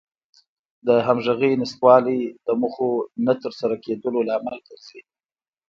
د همغږۍ نشتوالی د موخو نه تر سره کېدلو لامل ګرځي.